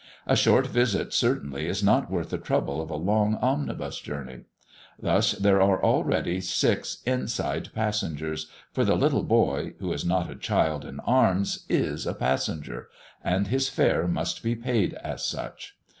A short visit certainly is not worth the trouble of a long omnibus journey. Thus there are already six inside passengers, for the little boy, who is not a child in arms, is a "passenger," and his fare must be paid as such.